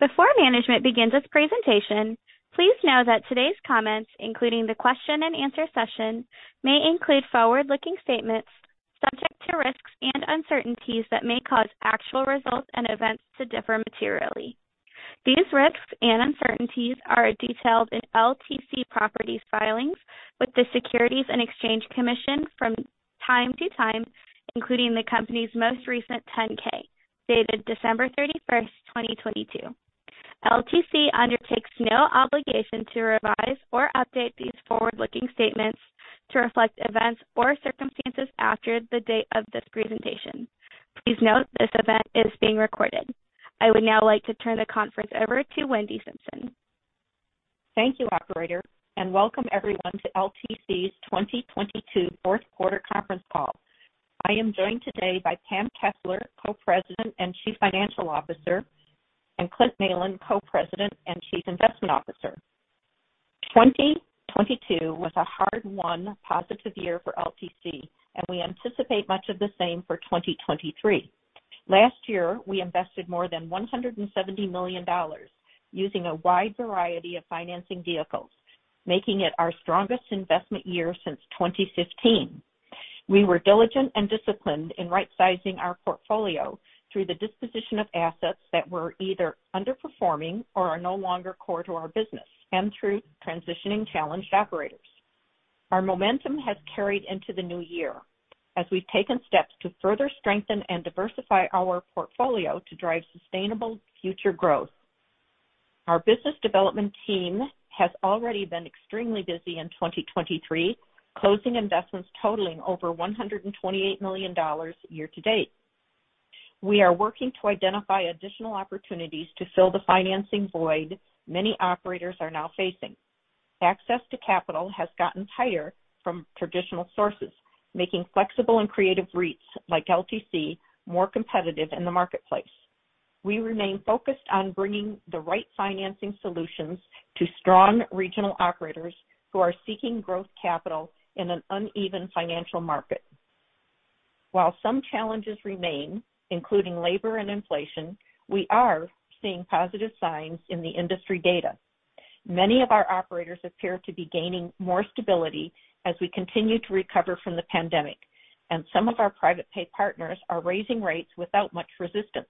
Before management begins its presentation, please know that today's comments, including the question and answer session, may include forward-looking statements subject to risks and uncertainties that may cause actual results and events to differ materially. These risks and uncertainties are detailed in LTC Properties' filings with the Securities and Exchange Commission from time to time, including the company's most recent 10-K, dated December 31st, 2022. LTC undertakes no obligation to revise or update these forward-looking statements to reflect events or circumstances after the date of this presentation. Please note this event is being recorded. I would now like to turn the conference over to Wendy Simpson. Thank you, operator. Welcome everyone to LTC's 2022 Fourth Quarter Conference Call. I am joined today by Pam Kessler, Co-President and Chief Financial Officer, and Clint Malin, Co-President and Chief Investment Officer. 2022 was a hard won positive year for LTC. We anticipate much of the same for 2023. Last year, we invested more than $170 million using a wide variety of financing vehicles, making it our strongest investment year since 2015. We were diligent and disciplined in rightsizing our portfolio through the disposition of assets that were either underperforming or are no longer core to our business and through transitioning challenged operators. Our momentum has carried into the new year as we've taken steps to further strengthen and diversify our portfolio to drive sustainable future growth. Our business development team has already been extremely busy in 2023, closing investments totaling over $128 million year to date. We are working to identify additional opportunities to fill the financing void many operators are now facing. Access to capital has gotten tighter from traditional sources, making flexible and creative REITs like LTC more competitive in the marketplace. We remain focused on bringing the right financing solutions to strong regional operators who are seeking growth capital in an uneven financial market. While some challenges remain, including labor and inflation, we are seeing positive signs in the industry data. Many of our operators appear to be gaining more stability as we continue to recover from the pandemic, and some of our private pay partners are raising rates without much resistance.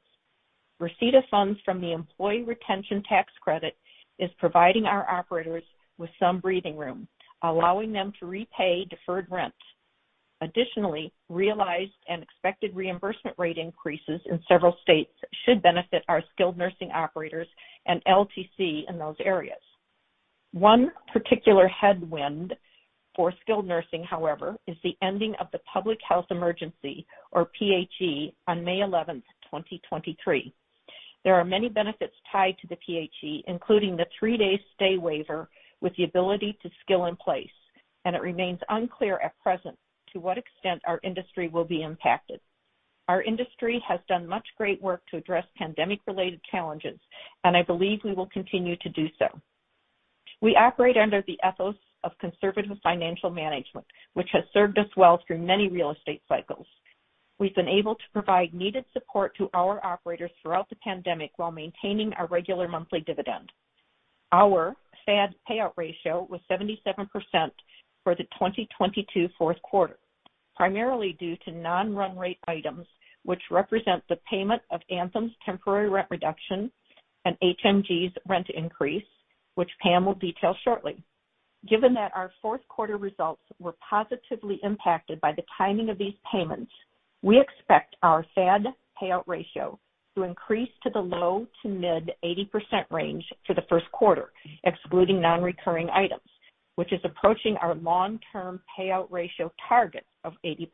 Receipt of funds from the employee retention tax credit is providing our operators with some breathing room, allowing them to repay deferred rents. Additionally, realized and expected reimbursement rate increases in several states should benefit our skilled nursing operators and LTC in those areas. One particular headwind for skilled nursing, however, is the ending of the public health emergency, or PHE, on May 11th, 2023. There are many benefits tied to the PHE, including the three-day stay waiver with the ability to skill in place, and it remains unclear at present to what extent our industry will be impacted. Our industry has done much great work to address pandemic-related challenges. I believe we will continue to do so. We operate under the ethos of conservative financial management, which has served us well through many real estate cycles. We've been able to provide needed support to our operators throughout the pandemic while maintaining our regular monthly dividend. Our FAD payout ratio was 77% for the 2022 fourth quarter, primarily due to non-run rate items, which represent the payment of Anthem's temporary rent reduction and HMG's rent increase, which Pam will detail shortly. Given that our fourth quarter results were positively impacted by the timing of these payments, we expect our FAD payout ratio to increase to the low to mid 80% range for the first quarter, excluding non-recurring items, which is approaching our long-term payout ratio target of 80%.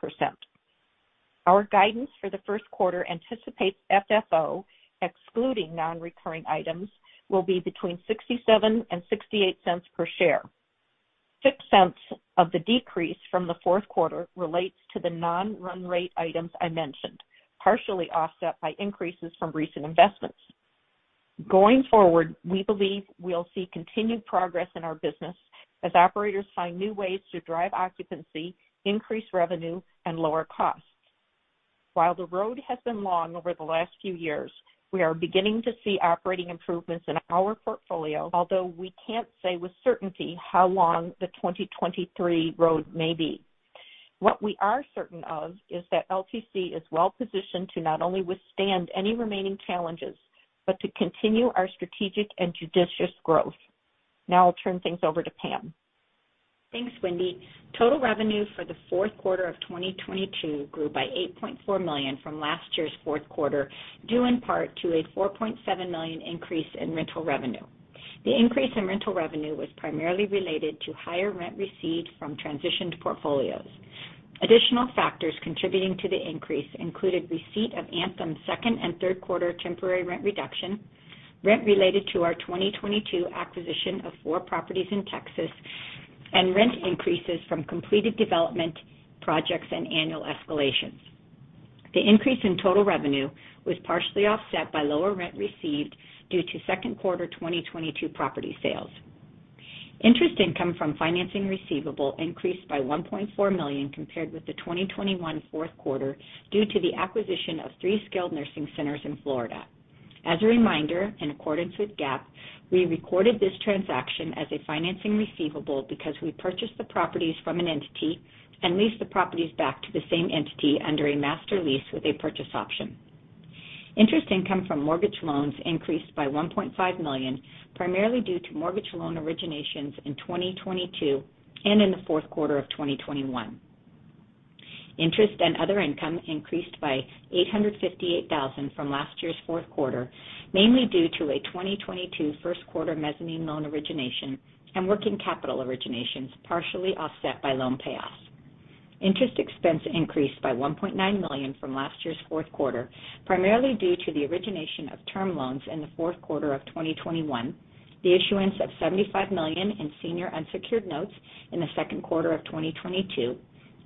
Our guidance for the first quarter anticipates FFO, excluding non-recurring items, will be between $0.67 and $0.68 per share. $0.06 of the decrease from the fourth quarter relates to the non-run rate items I mentioned, partially offset by increases from recent investments. Going forward, we believe we'll see continued progress in our business as operators find new ways to drive occupancy, increase revenue, and lower costs. While the road has been long over the last few years, we are beginning to see operating improvements in our portfolio, although we can't say with certainty how long the 2023 road may be. What we are certain of is that LTC is well positioned to not only withstand any remaining challenges, but to continue our strategic and judicious growth. Now I'll turn things over to Pam. Thanks, Wendy. Total revenue for the fourth quarter of 2022 grew by $8.4 million from last year's fourth quarter, due in part to a $4.7 million increase in rental revenue. The increase in rental revenue was primarily related to higher rent received from transitioned portfolios. Additional factors contributing to the increase included receipt of Anthem's second and third quarter temporary rent reduction, rent related to our 2022 acquisition of four properties in Texas, and rent increases from completed development projects and annual escalations. The increase in total revenue was partially offset by lower rent received due to second quarter 2022 property sales. Interest income from financing receivable increased by $1.4 million compared with the 2021 fourth quarter due to the acquisition of three skilled nursing centers in Florida. As a reminder, in accordance with GAAP, we recorded this transaction as a financing receivable because we purchased the properties from an entity and leased the properties back to the same entity under a master lease with a purchase option. Interest income from mortgage loans increased by $1.5 million, primarily due to mortgage loan originations in 2022 and in the fourth quarter of 2021. Interest and other income increased by $858,000 from last year's fourth quarter, mainly due to a 2022 first quarter mezzanine loan origination and working capital originations, partially offset by loan payoffs. Interest expense increased by $1.9 million from last year's fourth quarter, primarily due to the origination of term loans in the fourth quarter of 2021, the issuance of $75 million in senior unsecured notes in the second quarter of 2022,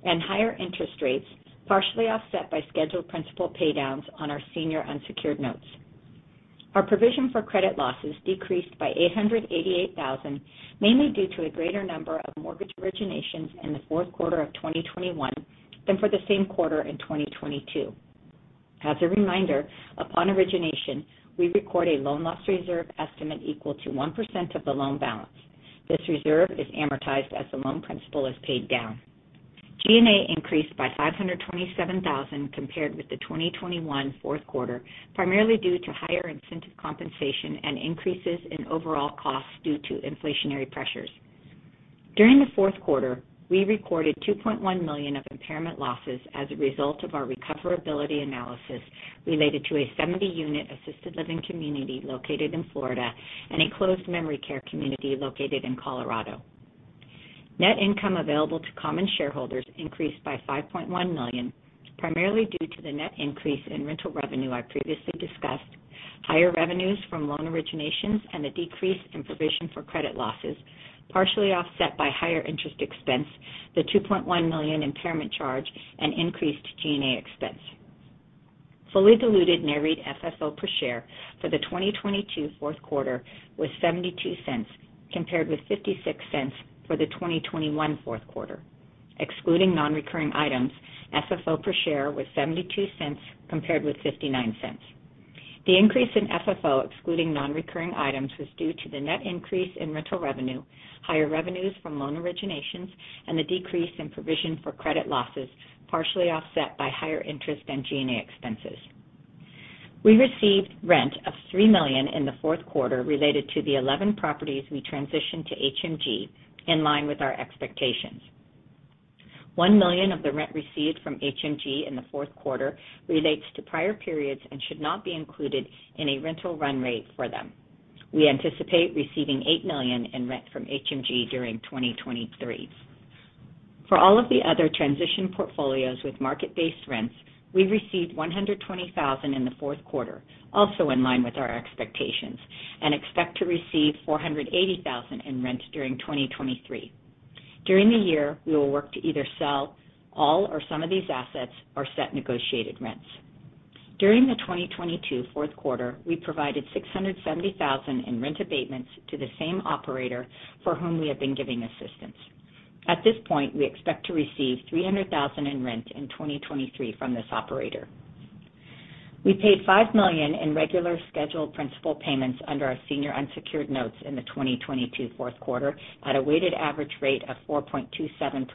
and higher interest rates, partially offset by scheduled principal paydowns on our senior unsecured notes. Our provision for credit losses decreased by $888,000, mainly due to a greater number of mortgage originations in the fourth quarter of 2021 than for the same quarter in 2022. As a reminder, upon origination, we record a loan loss reserve estimate equal to 1% of the loan balance. This reserve is amortized as the loan principal is paid down. G&A increased by $527,000 compared with the 2021 fourth quarter, primarily due to higher incentive compensation and increases in overall costs due to inflationary pressures. During the fourth quarter, we recorded $2.1 million of impairment losses as a result of our recoverability analysis related to a 70-unit assisted living community located in Florida and a closed memory care community located in Colorado. Net income available to common shareholders increased by $5.1 million, primarily due to the net increase in rental revenue I previously discussed, higher revenues from loan originations, and a decrease in provision for credit losses, partially offset by higher interest expense, the $2.1 million impairment charge, and increased G&A expense. Fully diluted NAREIT FFO per share for the 2022 fourth quarter was $0.72, compared with $0.56 for the 2021 fourth quarter. Excluding non-recurring items, FFO per share was $0.72 compared with $0.59. The increase in FFO excluding non-recurring items was due to the net increase in rental revenue, higher revenues from loan originations, and the decrease in provision for credit losses, partially offset by higher interest and G&A expenses. We received rent of $3 million in the fourth quarter related to the 11 properties we transitioned to HMG, in line with our expectations. $1 million of the rent received from HMG in the fourth quarter relates to prior periods and should not be included in a rental run rate for them. We anticipate receiving $8 million in rent from HMG during 2023. For all of the other transition portfolios with market-based rents, we received $120,000 in the fourth quarter, also in line with our expectations, and expect to receive $480,000 in rent during 2023. During the year, we will work to either sell all or some of these assets or set negotiated rents. During the 2022 fourth quarter, we provided $670,000 in rent abatements to the same operator for whom we have been giving assistance. At this point, we expect to receive $300,000 in rent in 2023 from this operator. We paid $5 million in regular scheduled principal payments under our senior unsecured notes in the 2022 fourth quarter at a weighted average rate of 4.27%.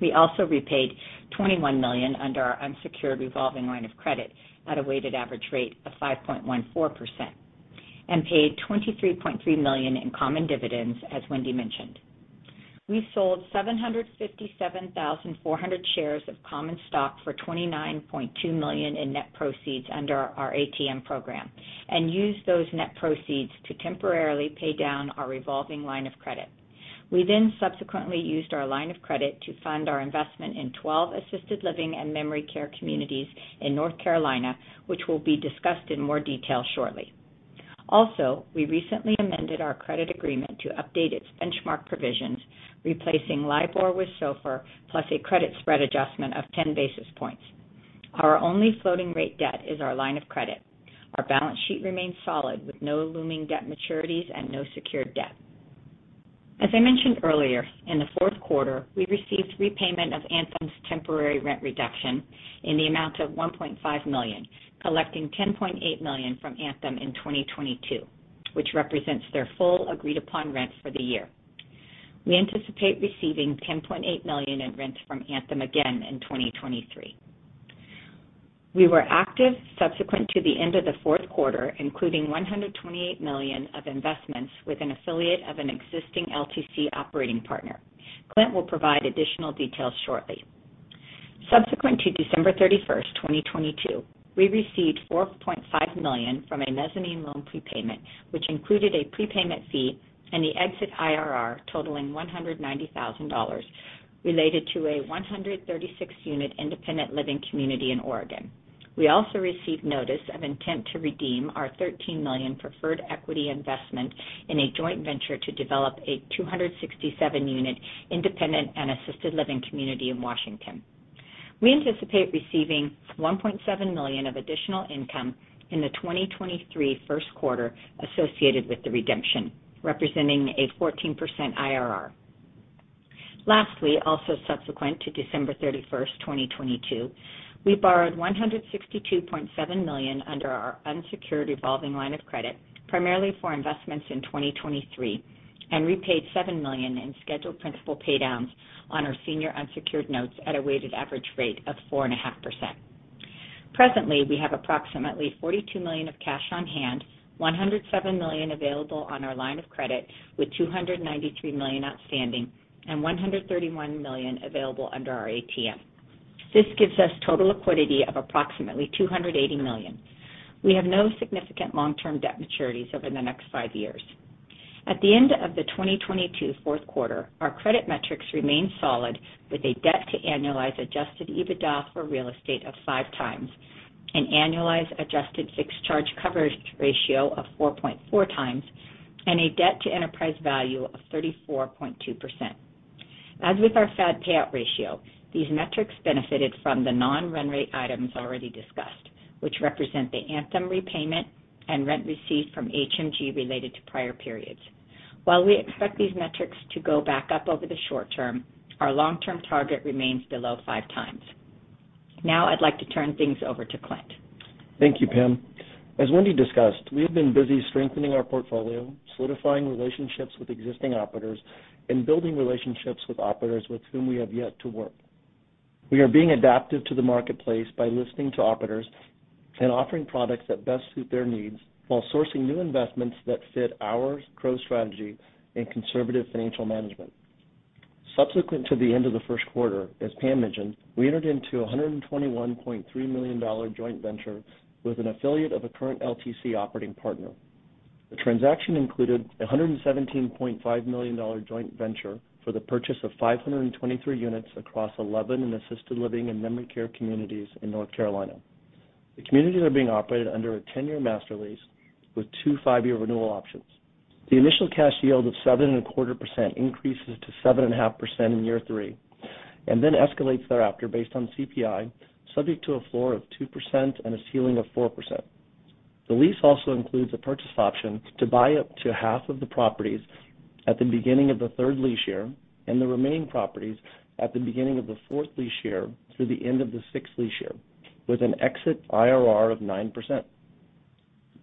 We also repaid $21 million under our unsecured revolving line of credit at a weighted average rate of 5.14%, and paid $23.3 million in common dividends, as Wendy mentioned. We sold 757,400 shares of common stock for $29.2 million in net proceeds under our ATM program and used those net proceeds to temporarily pay down our revolving line of credit. We then subsequently used our line of credit to fund our investment in 12 assisted living and memory care communities in North Carolina, which will be discussed in more detail shortly. We also recently amended our credit agreement to update its benchmark provisions, replacing LIBOR with SOFR plus a credit spread adjustment of 10 basis points. Our only floating rate debt is our line of credit. Our balance sheet remains solid with no looming debt maturities and no secured debt. As I mentioned earlier, in the fourth quarter, we received repayment of Anthem's temporary rent reduction in the amount of $1.5 million, collecting $10.8 million from Anthem in 2022, which represents their full agreed-upon rents for the year. We anticipate receiving $10.8 million in rents from Anthem again in 2023. We were active subsequent to the end of the fourth quarter, including $128 million of investments with an affiliate of an existing LTC operating partner. Clint will provide additional details shortly. Subsequent to December 31, 2022, we received $4.5 million from a mezzanine loan prepayment, which included a prepayment fee and the exit IRR totaling $190,000 related to a 136-unit independent living community in Oregon. We also received notice of intent to redeem our $13 million preferred equity investment in a joint venture to develop a 267-unit independent and assisted living community in Washington. We anticipate receiving $1.7 million of additional income in the 2023 first quarter associated with the redemption, representing a 14% IRR. Lastly, also subsequent to December 31st, 2022, we borrowed $162.7 million under our unsecured revolving line of credit, primarily for investments in 2023, and repaid $7 million in scheduled principal pay downs on our senior unsecured notes at a weighted average rate of 4.5%. Presently, we have approximately $42 million of cash on hand, $107 million available on our line of credit with $293 million outstanding and $131 million available under our ATM. This gives us total liquidity of approximately $280 million. We have no significant long-term debt maturities over the next five years. At the end of the 2022 fourth quarter, our credit metrics remained solid with a debt to annualized adjusted EBITDA for real estate of 5x, an annualized adjusted fixed charge coverage ratio of 4.4x, and a debt to enterprise value of 34.2%. As with our FAD payout ratio, these metrics benefited from the non-run rate items already discussed, which represent the Anthem repayment and rent received from HMG related to prior periods. While we expect these metrics to go back up over the short term, our long-term target remains below 5 times. I'd like to turn things over to Clint. Thank you, Pam. As Wendy discussed, we have been busy strengthening our portfolio, solidifying relationships with existing operators, and building relationships with operators with whom we have yet to work. We are being adaptive to the marketplace by listening to operators and offering products that best suit their needs while sourcing new investments that fit our growth strategy and conservative financial management. Subsequent to the end of the first quarter, as Pam mentioned, we entered into a $121.3 million joint venture with an affiliate of a current LTC operating partner. The transaction included a $117.5 million joint venture for the purchase of 523 units across 11 in assisted living and memory care communities in North Carolina. The communities are being operated under a 10-year master lease with two 5-year renewal options. The initial cash yield of 7.25% increases to 7.5% in year three, escalates thereafter based on CPI, subject to a floor of 2% and a ceiling of 4%. The lease also includes a purchase option to buy up to half of the properties at the beginning of the 3rd lease year and the remaining properties at the beginning of the 4th lease year through the end of the 6th lease year with an exit IRR of 9%.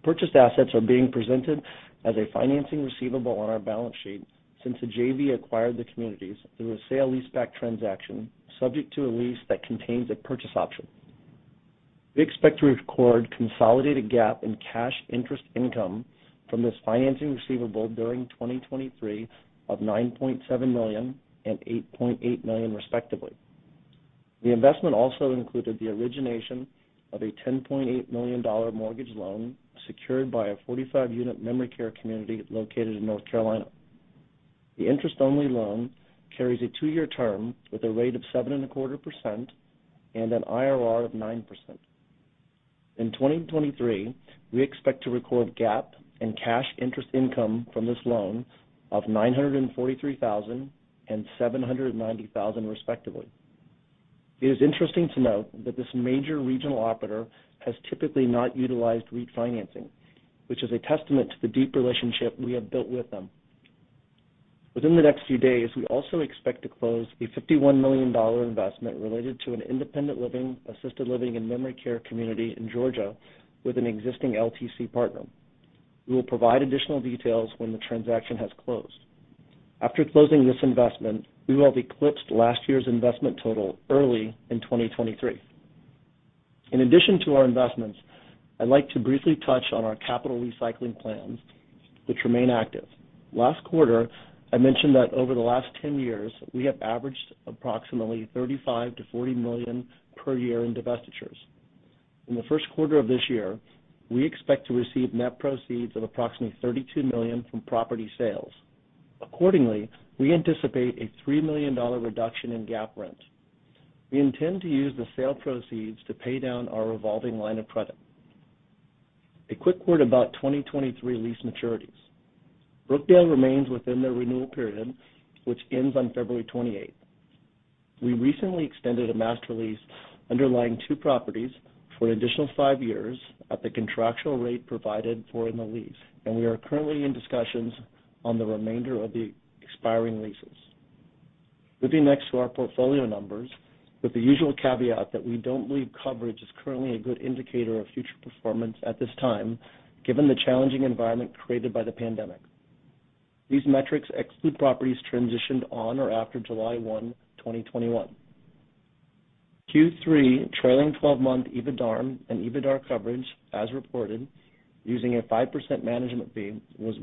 Purchased assets are being presented as a financing receivable on our balance sheet since the JV acquired the communities through a sale leaseback transaction subject to a lease that contains a purchase option. We expect to record consolidated GAAP and cash interest income from this financing receivable during 2023 of $9.7 million and $8.8 million, respectively. The investment also included the origination of a $10.8 million mortgage loan secured by a 45-unit memory care community located in North Carolina. The interest-only loan carries a two-year term with a rate of 7.25% and an IRR of 9%. In 2023, we expect to record GAAP and cash interest income from this loan of $943,000 and $790,000, respectively. It is interesting to note that this major regional operator has typically not utilized refinancing, which is a testament to the deep relationship we have built with them. Within the next few days, we also expect to close a $51 million investment related to an independent living, assisted living, and memory care community in Georgia with an existing LTC partner. We will provide additional details when the transaction has closed. After closing this investment, we will have eclipsed last year's investment total early in 2023. In addition to our investments, I'd like to briefly touch on our capital recycling plans, which remain active. Last quarter, I mentioned that over the last 10 years, we have averaged approximately $35 million-$40 million per year in divestitures. In the first quarter of this year, we expect to receive net proceeds of approximately $32 million from property sales. Accordingly, we anticipate a $3 million reduction in GAAP rent. We intend to use the sale proceeds to pay down our revolving line of credit. A quick word about 2023 lease maturities. Brookdale remains within their renewal period, which ends on February 28th. We recently extended a master lease underlying two properties for an additional five years at the contractual rate provided for in the lease. We are currently in discussions on the remainder of the expiring leases. Moving next to our portfolio numbers with the usual caveat that we don't believe coverage is currently a good indicator of future performance at this time, given the challenging environment created by the pandemic. These metrics exclude properties transitioned on or after July 1, 2021. Q3 trailing 12-month EBITDARM and EBITDAR coverage, as reported using a 5% management fee, was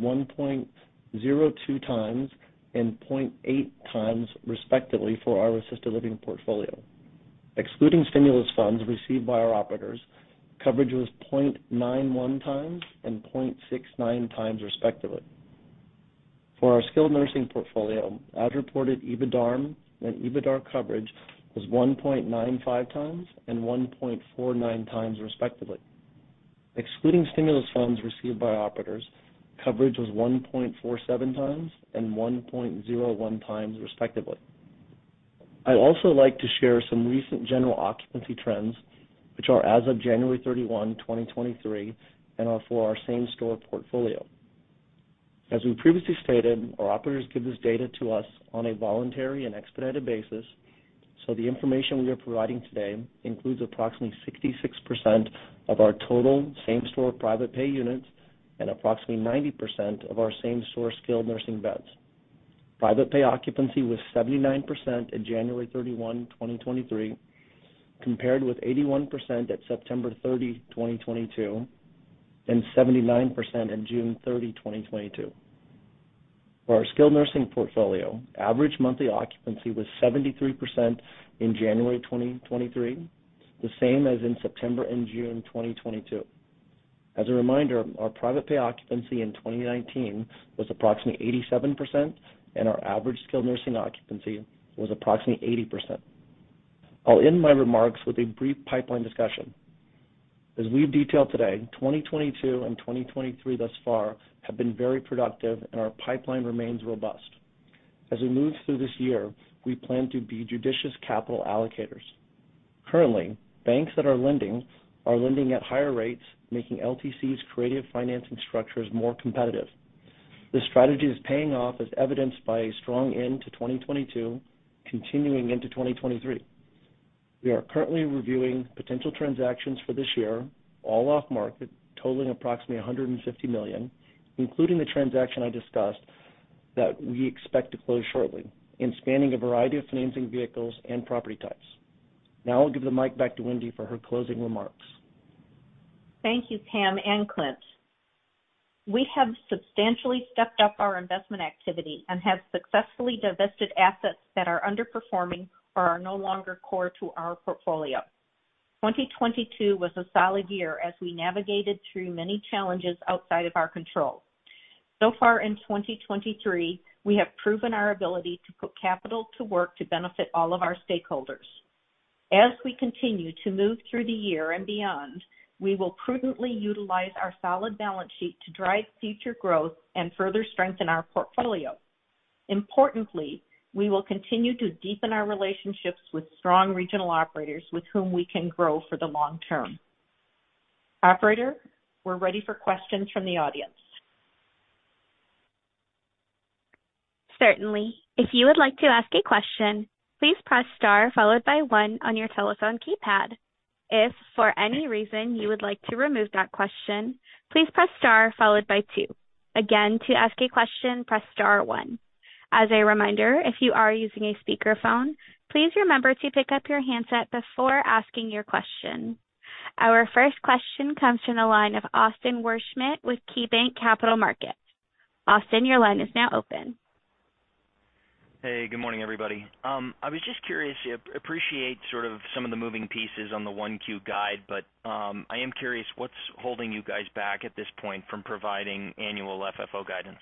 1.02x and 0.8x, respectively, for our assisted living portfolio. Excluding stimulus funds received by our operators, coverage was 0.91x and 0.69x, respectively. For our skilled nursing portfolio, as reported, EBITDARM and EBITDAR coverage was 1.95x and 1.49x, respectively. Excluding stimulus funds received by operators, coverage was 1.47x and 1.01x, respectively. I'd also like to share some recent general occupancy trends, which are as of January 31, 2023, and are for our same store portfolio. As we previously stated, our operators give this data to us on a voluntary and expedited basis, so the information we are providing today includes approximately 66% of our total same store private pay units and approximately 90% of our same store skilled nursing beds. Private pay occupancy was 79% at January 31, 2023, compared with 81% at September 30, 2022, and 79% at June 30, 2022. For our skilled nursing portfolio, average monthly occupancy was 73% in January 2023, the same as in September and June 2022. As a reminder, our private pay occupancy in 2019 was approximately 87%, and our average skilled nursing occupancy was approximately 80%. I'll end my remarks with a brief pipeline discussion. As we've detailed today, 2022 and 2023 thus far have been very productive, and our pipeline remains robust. As we move through this year, we plan to be judicious capital allocators. Currently, banks that are lending are lending at higher rates, making LTC's creative financing structures more competitive. This strategy is paying off as evidenced by a strong end to 2022 continuing into 2023. We are currently reviewing potential transactions for this year, all off market, totaling approximately $150 million, including the transaction I discussed that we expect to close shortly and spanning a variety of financing vehicles and property types. I'll give the mic back to Wendy for her closing remarks. Thank you, Pam and Clint. We have substantially stepped up our investment activity and have successfully divested assets that are underperforming or are no longer core to our portfolio. 2022 was a solid year as we navigated through many challenges outside of our control. Far in 2023, we have proven our ability to put capital to work to benefit all of our stakeholders. As we continue to move through the year and beyond, we will prudently utilize our solid balance sheet to drive future growth and further strengthen our portfolio. Importantly, we will continue to deepen our relationships with strong regional operators with whom we can grow for the long term. Operator, we're ready for questions from the audience. Certainly. If you would like to ask a question, please press star followed by 1 on your telephone keypad. If for any reason you would like to remove that question, please press star followed by two. Again, to ask a question, press star one. As a reminder, if you are using a speakerphone, please remember to pick up your handset before asking your question. Our first question comes from the line of Austin Wurschmidt with KeyBanc Capital Markets. Austin, your line is now open. Hey, good morning, everybody. I was just curious. Appreciate sort of some of the moving pieces on the 1Q guide, but I am curious what's holding you guys back at this point from providing annual FFO guidance?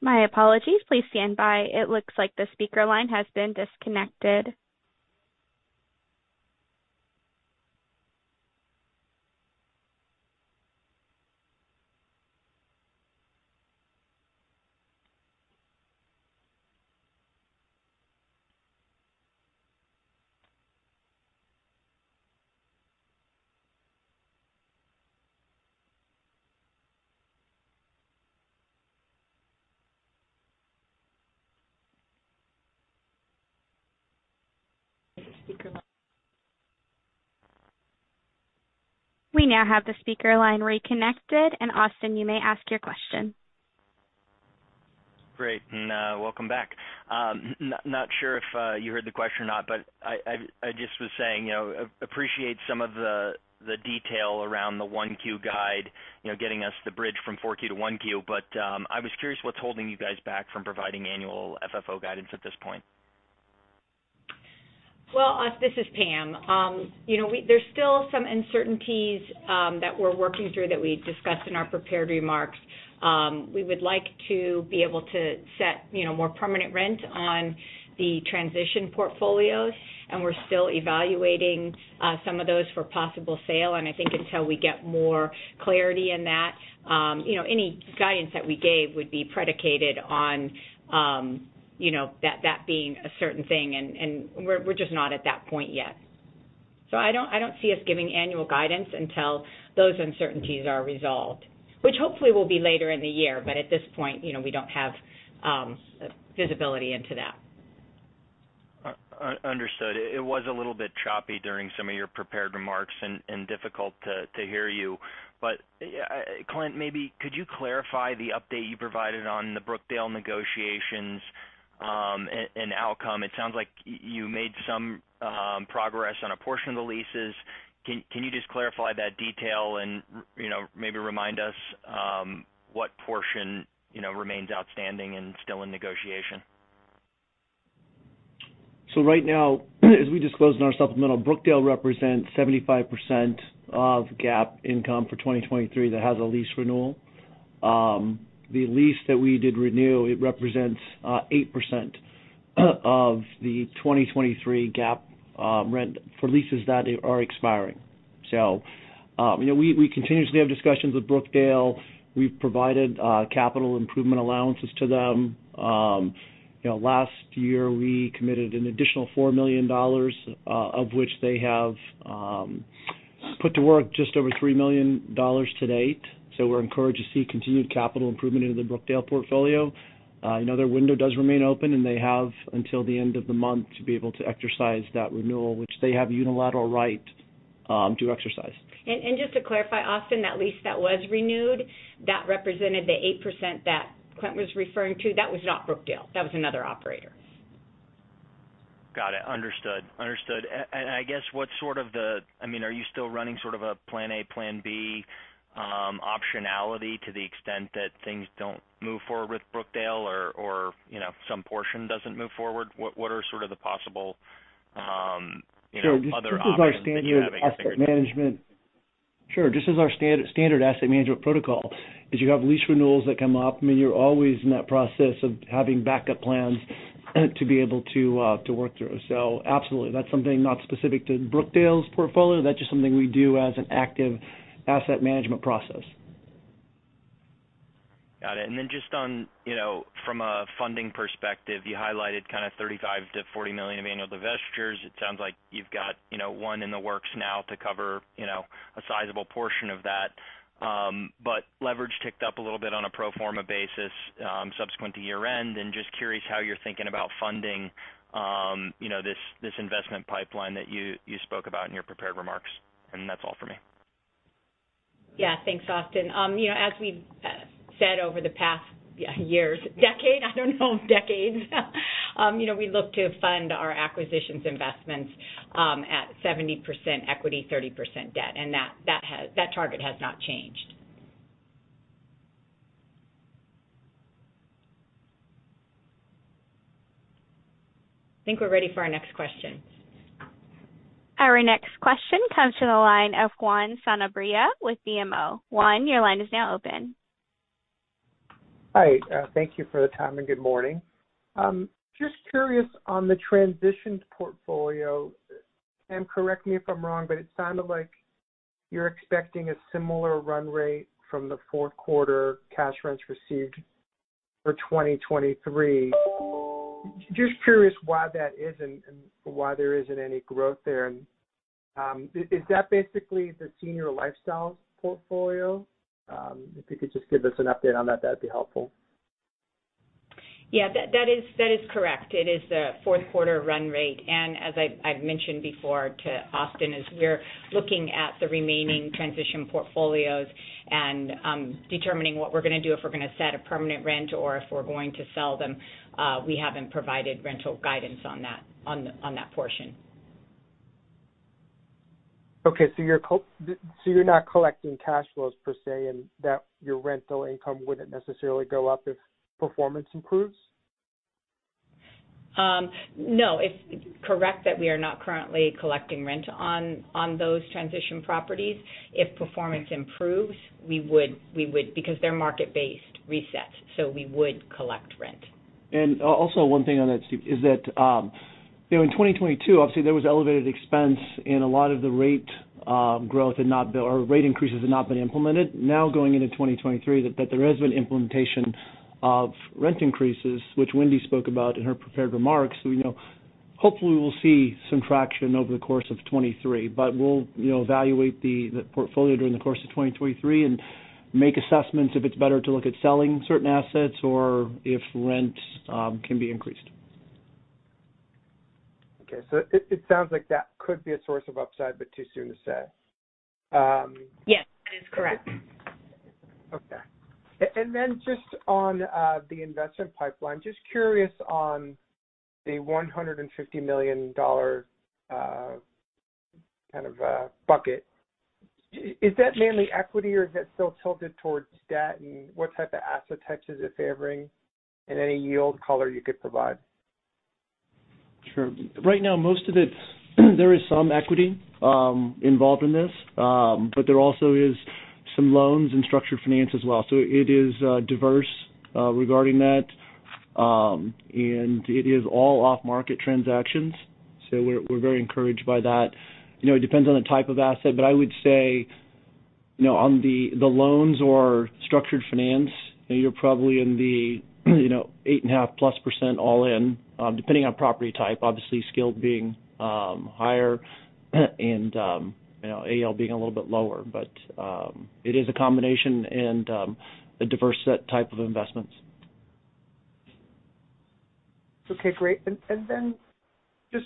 My apologies. Please stand by. It looks like the speaker line has been disconnected. We now have the speaker line reconnected. Austin, you may ask your question. Great. Welcome back. Not sure if you heard the question or not, but I just was saying, you know, appreciate some of the detail around the 1Q guide, you know, getting us the bridge from 4Q to 1Q. I was curious what's holding you guys back from providing annual FFO guidance at this point. Well, Aus, this is Pam. you know, There's still some uncertainties that we're working through that we discussed in our prepared remarks. We would like to be able to set, you know, more permanent rent on the transition portfolios, and we're still evaluating some of those for possible sale. I think until we get more clarity in that, you know, any guidance that we gave would be predicated on, you know, that being a certain thing, and we're just not at that point yet. I don't see us giving annual guidance until those uncertainties are resolved, which hopefully will be later in the year. At this point, you know, we don't have visibility into that. understood. It was a little bit choppy during some of your prepared remarks and difficult to hear you. Clint, maybe could you clarify the update you provided on the Brookdale negotiations and outcome? It sounds like you made some progress on a portion of the leases. Can you just clarify that detail and, you know, maybe remind us what portion, you know, remains outstanding and still in negotiation? Right now, as we disclosed in our supplemental, Brookdale represents 75% of GAAP income for 2023 that has a lease renewal. The lease that we did renew, it represents 8% of the 2023 GAAP rent for leases that are expiring. You know, we continuously have discussions with Brookdale. We've provided capital improvement allowances to them. You know, last year, we committed an additional $4 million, of which they have put to work just over $3 million to date. We're encouraged to see continued capital improvement into the Brookdale portfolio. Another window does remain open, and they have until the end of the month to be able to exercise that renewal, which they have unilateral right to exercise. Just to clarify, Austin, that lease that was renewed, that represented the 8% that Clint was referring to, that was not Brookdale. That was another operator. Got it. Understood. Understood. I guess what sort of the, I mean, are you still running sort of a plan A, plan B, optionality to the extent that things don't move forward with Brookdale or, you know, some portion doesn't move forward? What are sort of the possible, you know, other options that you have in considering? Sure. Just as our standard asset management protocol is you have lease renewals that come up, I mean, you're always in that process of having backup plans to be able to work through. Absolutely, that's something not specific to Brookdale's portfolio. That's just something we do as an active asset management process. Got it. Just on, you know, from a funding perspective, you highlighted kind of $35 million-$40 million of annual divestitures. It sounds like you've got, you know, one in the works now to cover, you know, a sizable portion of that. Leverage ticked up a little bit on a pro forma basis, subsequent to year-end, just curious how you're thinking about funding, you know, this investment pipeline that you spoke about in your prepared remarks. That's all for me. Yeah. Thanks, Austin. you know, as we've said over the past years, decade, I don't know, decades, you know, we look to fund our acquisitions investments, at 70% equity, 30% debt, and that target has not changed. I think we're ready for our next question. Our next question comes from the line of Juan Sanabria with BMO. Juan, your line is now open. Hi. Thank you for the time, good morning. Just curious on the transitions portfolio, and correct me if I'm wrong, but it sounded like you're expecting a similar run rate from the fourth quarter cash rents received for 2023. Just curious why that is and why there isn't any growth there. Is that basically the Senior Lifestyle portfolio? If you could just give us an update on that'd be helpful. Yeah. That is correct. It is the fourth quarter run rate. As I've mentioned before to Austin, as we're looking at the remaining transition portfolios and determining what we're gonna do, if we're gonna set a permanent rent or if we're going to sell them, we haven't provided rental guidance on that portion. Okay. You're not collecting cash flows per se, and that your rental income wouldn't necessarily go up if performance improves? No. It's correct that we are not currently collecting rent on those transition properties. If performance improves, we would, because they're market-based resets, so we would collect rent. Also one thing on that is that, you know, in 2022, obviously, there was elevated expense and a lot of the rate increases had not been implemented. Going into 2023, that there has been implementation of rent increases, which Wendy spoke about in her prepared remarks. You know, hopefully, we'll see some traction over the course of 2023. We'll, you know, evaluate the portfolio during the course of 2023 and make assessments if it's better to look at selling certain assets or if rent can be increased. It sounds like that could be a source of upside, but too soon to say. Yes, that is correct. Okay. Just on, the investment pipeline, just curious on the $150 million, kind of, bucket. Is that mainly equity, or is it still tilted towards debt, and what type of asset types is it favoring, and any yield color you could provide? Sure. Right now, there is some equity involved in this, but there also is some loans and structured finance as well. It is diverse regarding that. It is all off-market transactions, so we're very encouraged by that. You know, it depends on the type of asset, but I would say, you know, on the loans or structured finance, you're probably in the, you know, 8.5%+ all in, depending on property type, obviously, skilled being higher, AL being a little bit lower. It is a combination and a diverse set type of investments. Okay, great. Then just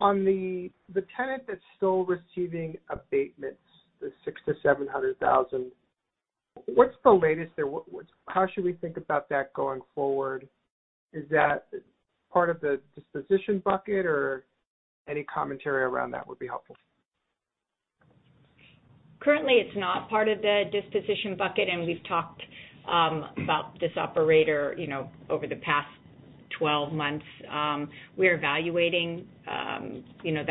on the tenant that's still receiving abatements, the $600,000-$700,000, what's the latest there? How should we think about that going forward? Is that part of the disposition bucket, or any commentary around that would be helpful? Currently, it's not part of the disposition bucket. We've talked about this operator, you know, over the past 12 months. We're evaluating, you know,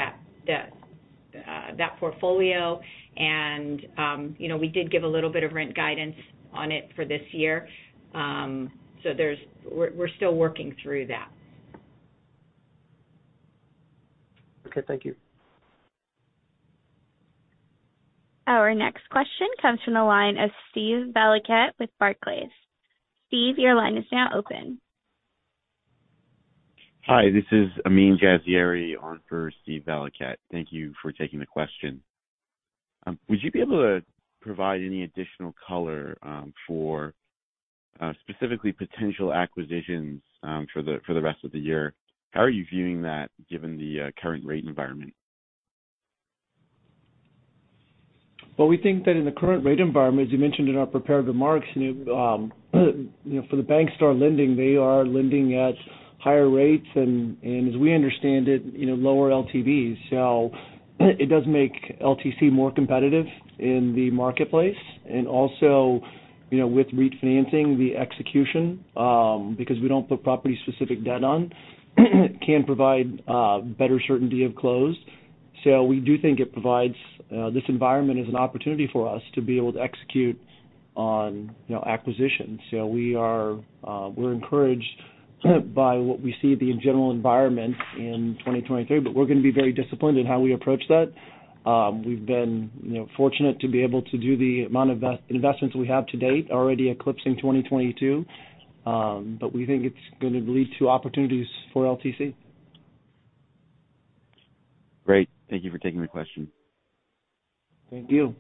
that portfolio and, you know, we did give a little bit of rent guidance on it for this year. We're still working through that. Okay. Thank you. Our next question comes from the line of Steven Valiquette with Barclays. Steve, your line is now open. Hi, this is Amin Jazayeri on for Steven Valiquette. Thank you for taking the question. Would you be able to provide any additional color, specifically potential acquisitions for the rest of the year? How are you viewing that given the current rate environment? Well, we think that in the current rate environment, as you mentioned in our prepared remarks, you know, for the banks that are lending, they are lending at higher rates and as we understand it, you know, lower LTVs. It does make LTC more competitive in the marketplace. Also, you know, with refinancing, the execution, because we don't put property specific debt on, can provide better certainty of close. We do think it provides this environment as an opportunity for us to be able to execute on, you know, acquisitions. We are, we're encouraged by what we see the general environment in 2023, we're going to be very disciplined in how we approach that. We've been, you know, fortunate to be able to do the amount of investments we have to date, already eclipsing 2022. We think it's going to lead to opportunities for LTC. Great. Thank you for taking the question. Thank you.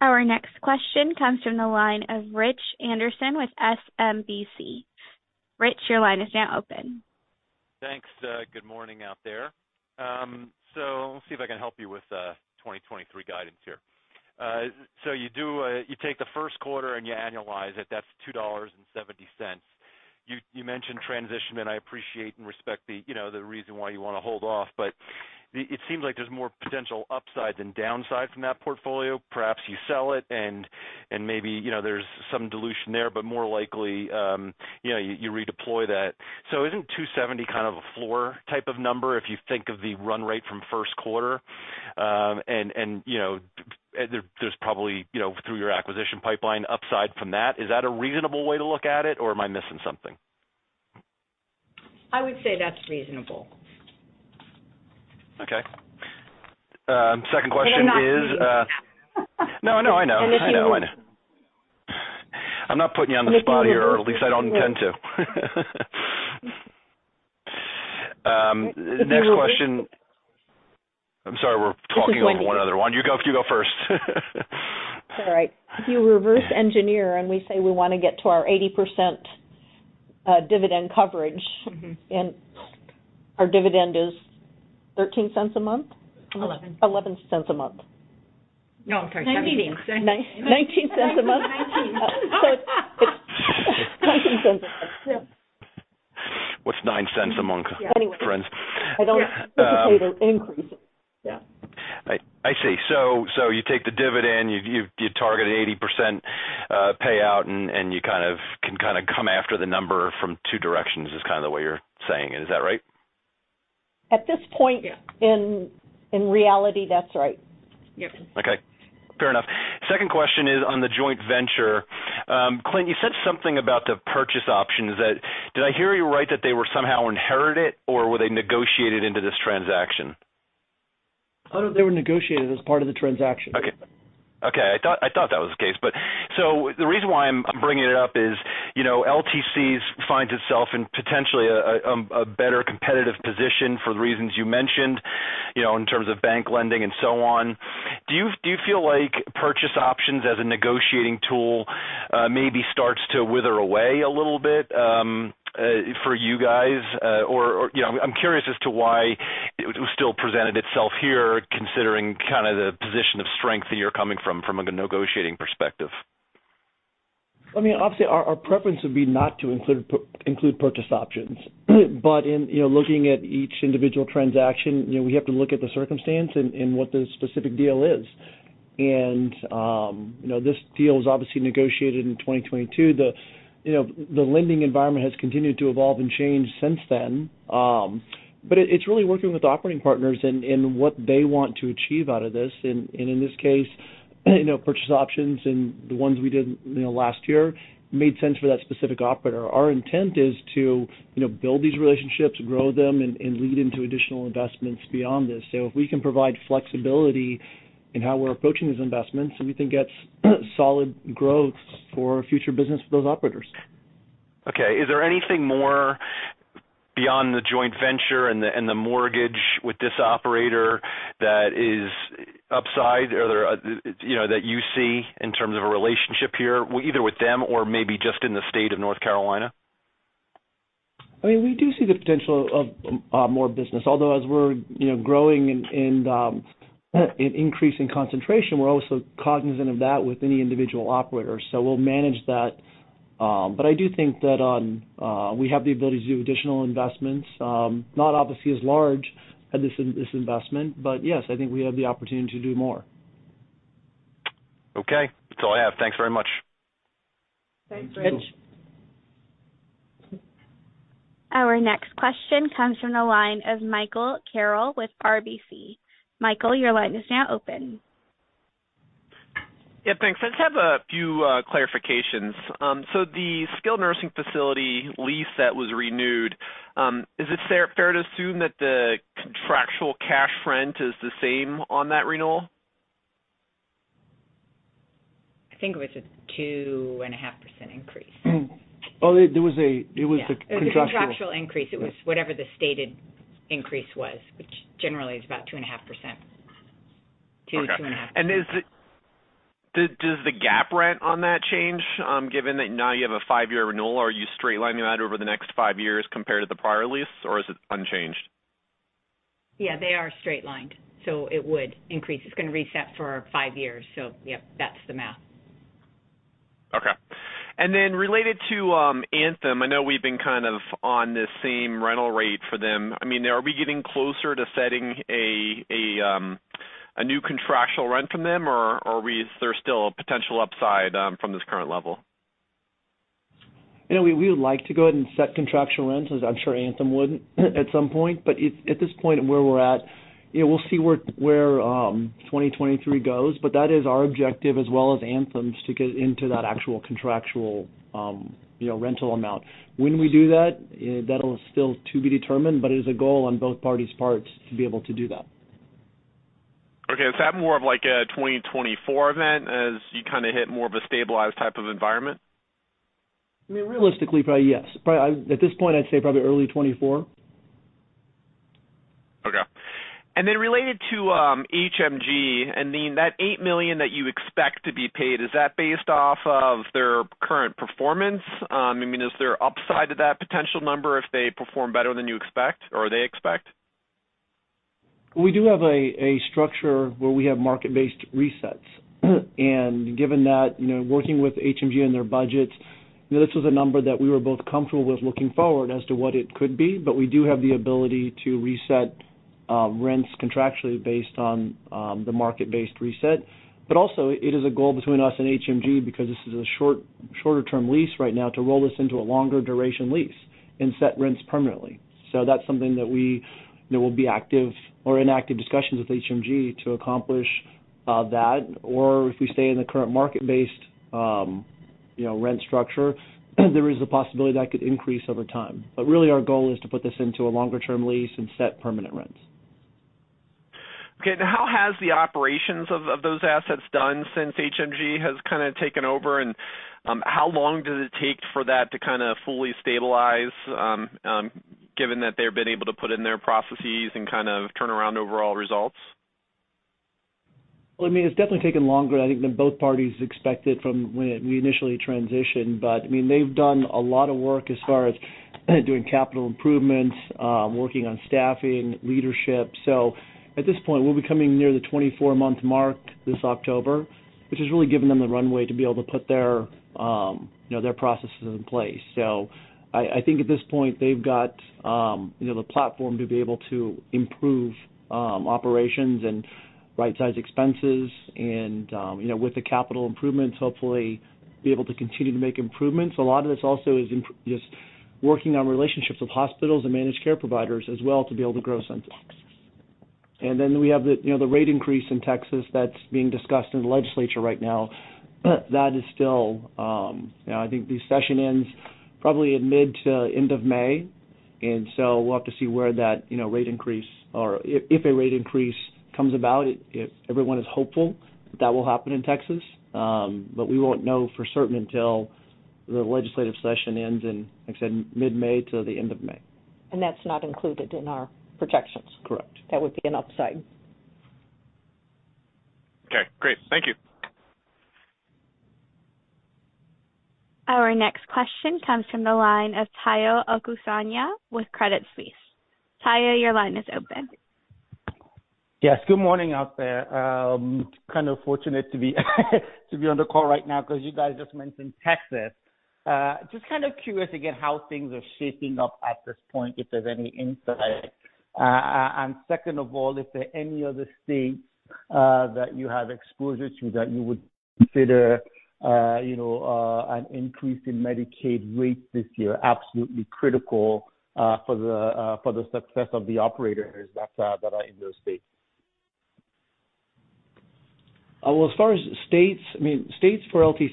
Our next question comes from the line of Rich Anderson with SMBC. Rich, your line is now open. Thanks. Good morning out there. Let's see if I can help you with 2023 guidance here. You do, you take the first quarter and you annualize it. That's $2.70. You mentioned transition, and I appreciate and respect the, you know, the reason why you want to hold off. It seems like there's more potential upside than downside from that portfolio. Perhaps you sell it and maybe, you know, there's some dilution there, but more likely, you know, you redeploy that. Isn't $2.70 kind of a floor type of number if you think of the run rate from first quarter? You know, there's probably, you know, through your acquisition pipeline upside from that. Is that a reasonable way to look at it or am I missing something? I would say that's reasonable. Okay. Second question is. They're not easy. No, I know. I know. I know. if you- I'm not putting you on the spot here, or at least I don't intend to. If you reverse- Next question. I'm sorry, we're talking over one another. You go first. It's all right. If you reverse engineer, and we say we want to get to our 80% dividend coverage. Our dividend is $0.13 a month? $11. $0.11 a month. No, I'm sorry. $17. $0.19 a month. It's $0.09 a month. What's $0.09 cents among friends? Anyway. I don't anticipate an increase. Yeah. I see. You take the dividend, you target 80% payout, and you can kind of come after the number from two directions, is kind of the way you're saying. Is that right? At this point. Yeah. In reality, that's right. Yep. Okay. Fair enough. Second question is on the joint venture. Clint, you said something about the purchase options. Did I hear you right that they were somehow inherited or were they negotiated into this transaction? They were negotiated as part of the transaction. Okay. Okay. I thought that was the case. The reason why I'm bringing it up is, you know, LTCs finds itself in potentially a better competitive position for the reasons you mentioned, you know, in terms of bank lending and so on. Do you feel like purchase options as a negotiating tool, maybe starts to wither away a little bit for you guys? Or, you know, I'm curious as to why it still presented itself here, considering kind of the position of strength that you're coming from a negotiating perspective? I mean, obviously, our preference would be not to include purchase options. In, you know, looking at each individual transaction, you know, we have to look at the circumstance and what the specific deal is. You know, this deal was obviously negotiated in 2022. The, you know, the lending environment has continued to evolve and change since then. It's really working with operating partners and what they want to achieve out of this. And in this case, you know, purchase options and the ones we did, you know, last year made sense for that specific operator. Our intent is to, you know, build these relationships, grow them, and lead into additional investments beyond this. If we can provide flexibility in how we're approaching these investments, we think that's solid growth for future business for those operators. Is there anything more beyond the joint venture and the, and the mortgage with this operator that is upside or there are, you know, that you see in terms of a relationship here, either with them or maybe just in the state of North Carolina? I mean, we do see the potential of more business, although as we're, you know, growing and increasing concentration, we're also cognizant of that with any individual operator. We'll manage that. I do think that we have the ability to do additional investments, not obviously as large as this investment, but yes, I think we have the opportunity to do more. Okay. That's all I have. Thanks very much. Thanks, Rich. Our next question comes from the line of Michael Carroll with RBC. Michael, your line is now open. Yeah, thanks. I just have a few clarifications. The skilled nursing facility lease that was renewed, is it fair to assume that the contractual cash rent is the same on that renewal? I think it was a 2.5% increase. Well, it was a contractual- It was a contractual increase. It was whatever the stated increase was, which generally is about 2.5%. 2.5%. Okay. Is the does the GAAP rent on that change, given that now you have a 5-year renewal, are you straight lining that over the next five years compared to the prior lease, or is it unchanged? Yeah, they are straight lined, so it would increase. It's gonna reset for five years. Yeah, that's the math. Okay. related to Anthem, I know we've been kind of on the same rental rate for them. I mean, are we getting closer to setting a new contractual rent from them, or is there still a potential upside from this current level? You know, we would like to go ahead and set contractual rents, as I'm sure Anthem would at some point. At this point where we're at, you know, we'll see where 2023 goes, but that is our objective as well as Anthem's to get into that actual contractual, you know, rental amount. When we do that'll still to be determined, but it is a goal on both parties parts to be able to do that. Okay. Is that more of like a 2024 event as you kinda hit more of a stabilized type of environment? I mean, realistically, probably yes. At this point, I'd say probably early 2024. Okay. Related to HMG, I mean, that $8 million that you expect to be paid, is that based off of their current performance? I mean, is there upside to that potential number if they perform better than you expect or they expect? We do have a structure where we have market-based resets. Given that, you know, working with HMG and their budgets, you know, this was a number that we were both comfortable with looking forward as to what it could be, but we do have the ability to reset rents contractually based on the market-based reset. Also it is a goal between us and HMG because this is a shorter term lease right now to roll this into a longer duration lease and set rents permanently. That's something that we, you know, will be active or in active discussions with HMG to accomplish that. If we stay in the current market-based, you know, rent structure, there is a possibility that could increase over time. Really our goal is to put this into a longer term lease and set permanent rents. Okay. Now, how has the operations of those assets done since HMG has kinda taken over? How long does it take for that to kinda fully stabilize, given that they've been able to put in their processes and kind of turn around overall results? Well, I mean, it's definitely taken longer, I think, than both parties expected from when we initially transitioned. I mean, they've done a lot of work as far as doing capital improvements, working on staffing, leadership. At this point, we'll be coming near the 24 month mark this October, which has really given them the runway to be able to put their, you know, their processes in place. I think at this point they've got, you know, the platform to be able to improve, operations and right-size expenses and, you know, with the capital improvements, hopefully be able to continue to make improvements. A lot of this also is just working on relationships with hospitals and managed care providers as well to be able to grow centers. We have the, you know, the rate increase in Texas that's being discussed in the legislature right now. That is still, you know, I think the session ends probably in mid to end of May. We'll have to see where that, you know, rate increase or if a rate increase comes about. Everyone is hopeful that will happen in Texas. We won't know for certain until the legislative session ends in, like I said, mid-May to the end of May. That's not included in our projections. Correct. That would be an upside. Okay, great. Thank you. Our next question comes from the line of Tayo Okusanya with Credit Suisse. Tayo, your line is open. Yes, good morning out there. Kind of fortunate to be on the call right now because you guys just mentioned Texas. Just kind of curious, again, how things are shaping up at this point, if there's any insight? Second of all, if there are any other states that you have exposure to that you would consider, you know, an increase in Medicaid rates this year absolutely critical for the success of the operators that are in those states? Well, as far as states, I mean, states for LTC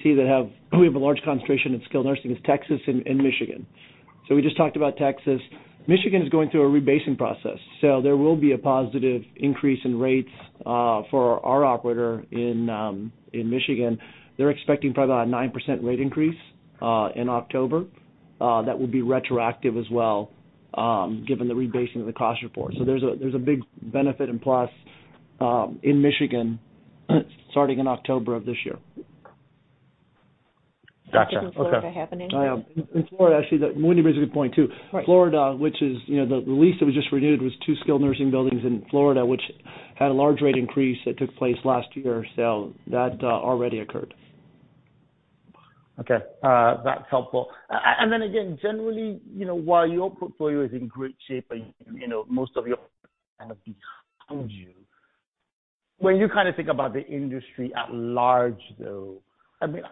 we have a large concentration in skilled nursing is Texas and Michigan. We just talked about Texas. Michigan is going through a rebasing process, there will be a positive increase in rates for our operator in Michigan. They're expecting probably about 9% rate increase in October. That will be retroactive as well, given the rebasing of the cost report. There's a big benefit in plus in Michigan starting in October of this year. Gotcha. Okay. Does Florida have anything? Oh, yeah. In Florida, actually, Wendy brings a good point, too. Right. Florida, which is, you know, the lease that was just renewed was two skilled nursing buildings in Florida, which had a large rate increase that took place last year, so that already occurred. Okay. That's helpful. Then again, generally, you know, while your portfolio is in great shape and, you know, most of your behind you, when you kind of think about the industry at large though, I mean,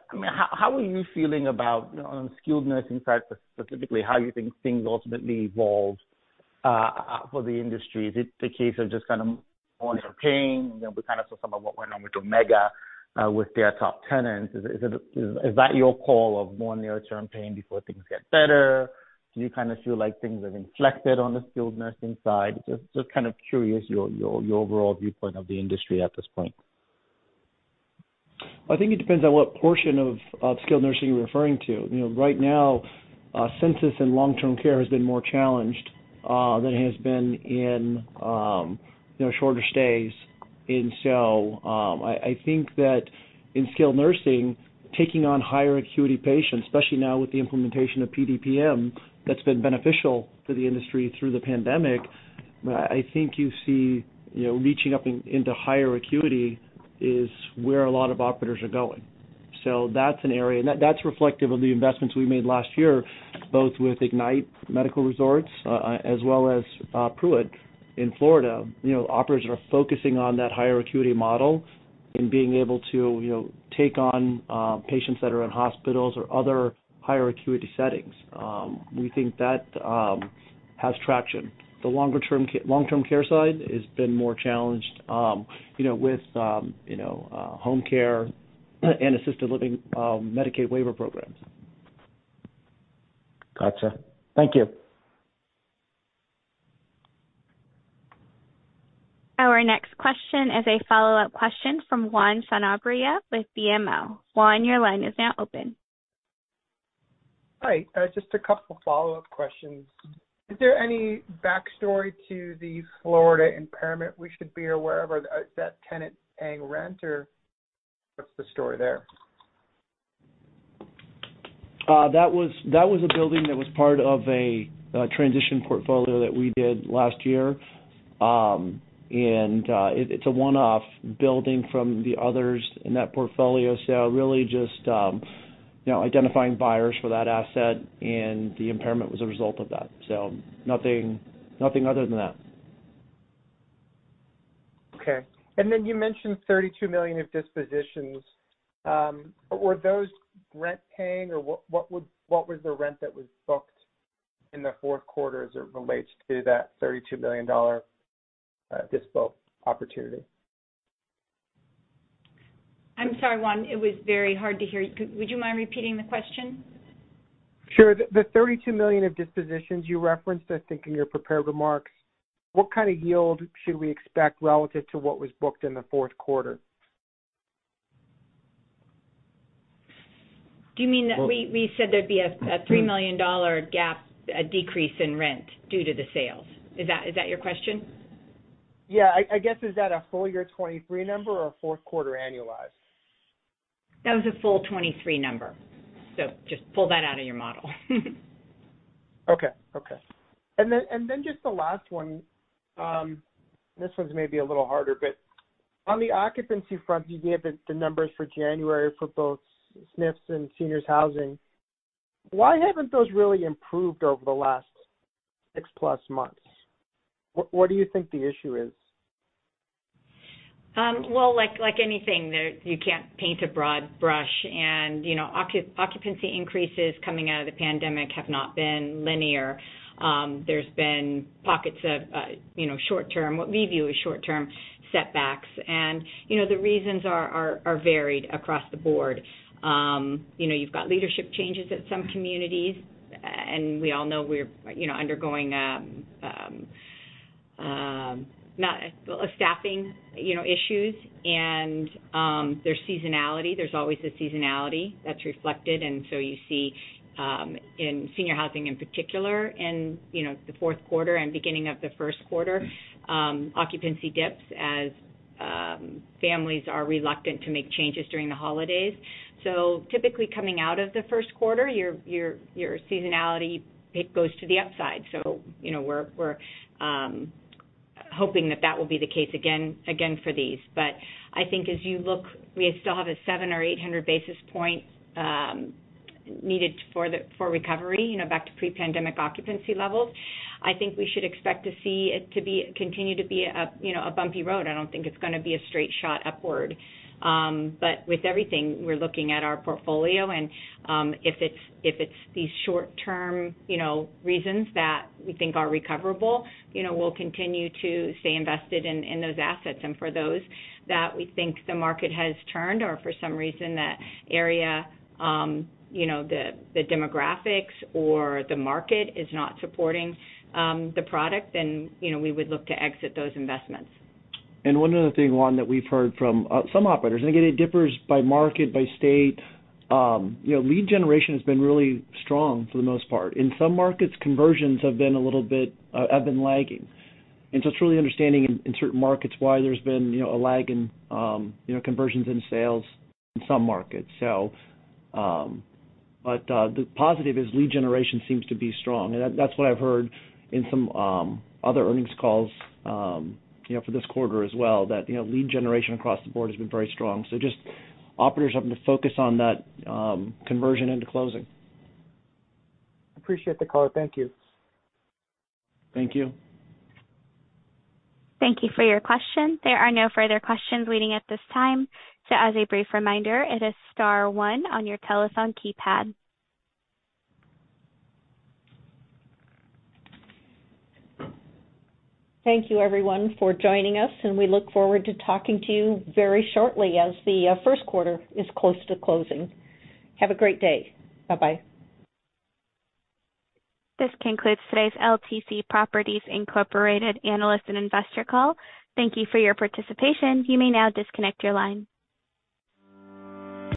how are you feeling about, you know, on the skilled nursing side specifically, how you think things ultimately evolve for the industry? Is it the case of just kind of more near-term pain? You know, we kind of saw some of what went on with Omega, with their top tenants. Is that your call of more near-term pain before things get better? Do you kind of feel like things have inflected on the skilled nursing side? Just kind of curious your overall viewpoint of the industry at this point. I think it depends on what portion of skilled nursing you're referring to. You know, right now, census and long-term care has been more challenged than it has been in, you know, shorter stays. I think that in skilled nursing, taking on higher acuity patients, especially now with the implementation of PDPM, that's been beneficial for the industry through the pandemic. I think you see, you know, reaching up into higher acuity is where a lot of operators are going. So that's an area. That, that's reflective of the investments we made last year, both with Ignite Medical Resorts, as well as PruittHealth in Florida. You know, operators are focusing on that higher acuity model and being able to, you know, take on patients that are in hospitals or other higher acuity settings. We think that has traction. The long-term care side has been more challenged, you know, with you know, home care and assisted living, Medicaid waiver programs. Gotcha. Thank you. Our next question is a follow-up question from Juan Sanabria with BMO. Juan, your line is now open. Hi. Just a couple follow-up questions. Is there any backstory to the Florida impairment we should be aware of? Is that tenant paying rent or what's the story there? That was a building that was part of a transition portfolio that we did last year. It's a one-off building from the others in that portfolio. Really just, you know, identifying buyers for that asset and the impairment was a result of that. Nothing other than that. Okay. Then you mentioned $32 million of dispositions. Were those rent paying or what was the rent that was booked in the fourth quarter as it relates to that $32 million dispo opportunity? I'm sorry, Juan. It was very hard to hear you. Would you mind repeating the question? Sure. The $32 million of dispositions you referenced, I think in your prepared remarks, what kind of yield should we expect relative to what was booked in the fourth quarter? Do you mean that we said there'd be a $3 million GAAP decrease in rent due to the sales? Is that your question? Yeah. I guess is that a full year 2023 number or a fourth quarter annualized? That was a full 2023 number. Just pull that out of your model. Okay. Then just the last one, this one's maybe a little harder. On the occupancy front, you gave the numbers for January for both SNFs and seniors housing. Why haven't those really improved over the last 6-plus months? What do you think the issue is? Well, like anything there, you can't paint a broad brush and, you know, occupancy increases coming out of the pandemic have not been linear. There's been pockets of, you know, short term, what we view as short-term setbacks. You know, the reasons are, are varied across the board. You know, you've got leadership changes at some communities and we all know we're, you know, undergoing, staffing, you know, issues. There's seasonality. There's always a seasonality that's reflected. You see, in senior housing in particular in, you know, the fourth quarter and beginning of the first quarter, occupancy dips as, families are reluctant to make changes during the holidays. Typically coming out of the first quarter, your seasonality, it goes to the upside. You know, we're hoping that that will be the case again for these. I think as you look, we still have a 700 or 800 basis point needed for the recovery, you know, back to pre-pandemic occupancy levels. I think we should expect to see it continue to be a, you know, a bumpy road. I don't think it's gonna be a straight shot upward. With everything, we're looking at our portfolio and, if it's these short term, you know, reasons that we think are recoverable, you know, we'll continue to stay invested in those assets. For those that we think the market has turned or for some reason that area, you know, the demographics or the market is not supporting, the product, then, you know, we would look to exit those investments. One other thing, Juan, that we've heard from some operators, and again, it differs by market, by state. You know, lead generation has been really strong for the most part. In some markets, conversions have been a little bit, have been lagging. It's really understanding in certain markets why there's been, you know, a lag in, you know, conversions in sales in some markets. But the positive is lead generation seems to be strong. That, that's what I've heard in some other earnings calls, you know, for this quarter as well, that, you know, lead generation across the board has been very strong. Just operators having to focus on that, conversion into closing. Appreciate the color. Thank you. Thank you. Thank you for your question. There are no further questions waiting at this time. As a brief reminder, it is star one on your telephone keypad. Thank you everyone for joining us, and we look forward to talking to you very shortly as the first quarter is close to closing. Have a great day. Bye-bye. This concludes today's LTC Properties Incorporated analyst and investor call. Thank you for your participation. You may now disconnect your line.